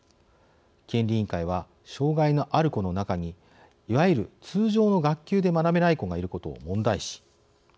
権利委員会は障害のある子の中にいわゆる通常の学級で学べない子がいることを問題視。